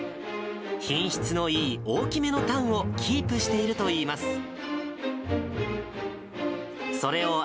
品質のいい大きめのタンをキープしているといいます。